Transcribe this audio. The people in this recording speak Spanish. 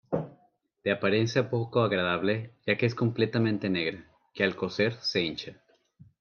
De apariencia poco agradable ya que es completamente negra, que al cocer se hincha.